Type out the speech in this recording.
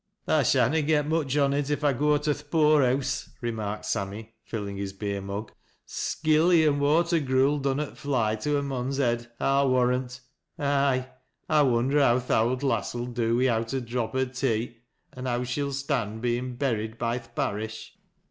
" 1 shanna get much on it if I go to th' poor house," remarked Sammy, filling his beer mug. " Skilly an' water gruel dunnot fiy to a mon's head, I'll warrant. Aye 1 [ wonder how th' owd lass'U do wi'sut her drop o' tea, an' how she'll stand bein' buried by th' parish